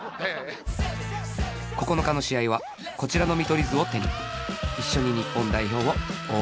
９日の試合はこちらの見取り図を手に一緒に日本代表を応援しよう